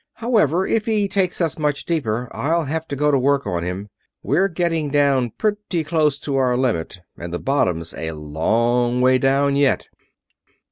However, if he takes us much deeper I'll have to go to work on him. We're getting down pretty close to our limit, and the bottom's a long ways down yet."